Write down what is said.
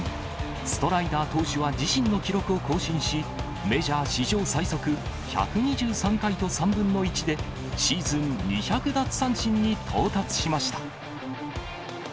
ストライダー投手は自身の記録を更新し、メジャー史上最速、１２３回と３分の１で、シーズン２００奪三振に到達しました。